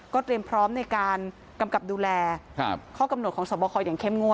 เตรียมพร้อมในการกำกับดูแลข้อกำหนดของสวบคออย่างเข้มงวด